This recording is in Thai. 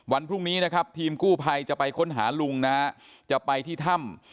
วันพรุ่งนี้นะครับทีมกู้ภัยจะไปค้นหาลุงนะฮะจะไปที่ถ้ำ